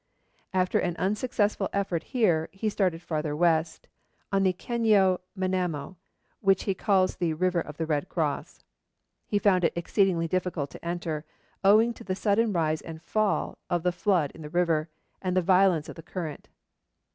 After an unsuccessful effort here, he started farther west, on the Caño Manamo, which he calls the River of the Red Cross. He found it exceedingly difficult to enter, owing to the sudden rise and fall of the flood in the river, and the violence of the current.